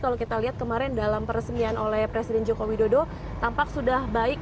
kalau kita lihat kemarin dalam peresmian oleh presiden joko widodo tampak sudah baik